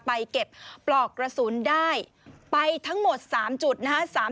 ไปเก็บปลอกกระสุนได้ไปทั้งหมด๓จุดนะฮะ